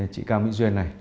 chị cao mỹ duyên này